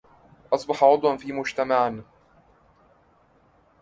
أصبح عضوا في مجتمعنا